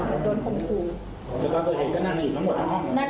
แต่ตอนตัวเห็นก็นั่งอยู่ทั้งหมดทั้งห้อง